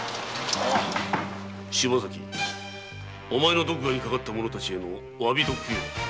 お前の毒牙にかかった者たちへのわびと供養